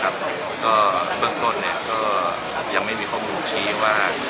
เบื้องต้นก็ยังไม่มีข้อมูลถือว่า